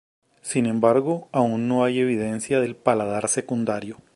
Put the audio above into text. Sin embargo, aún no hay evidencia del paladar secundario.